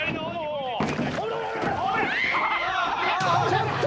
ちょっと！